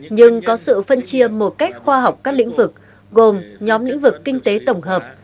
nhưng có sự phân chia một cách khoa học các lĩnh vực gồm nhóm lĩnh vực kinh tế tổng hợp